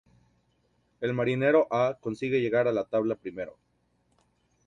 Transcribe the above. El marinero A consigue llegar a la tabla primero.